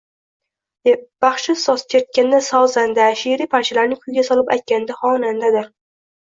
Baxshi soz chertganda sozanda, she'riy parchalarni kuyga solib aytganda xonandadir